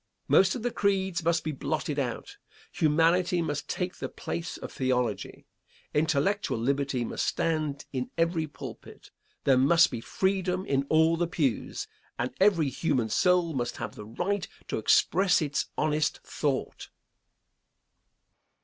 Most of the creeds must be blotted out. Humanity must take the place of theology. Intellectual liberty must stand in every pulpit. There must be freedom in all the pews, and every human soul must have the right to express its honest thought.